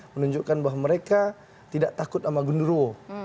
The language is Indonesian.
menunjukkan bahwa mereka tidak takut sama gundurwo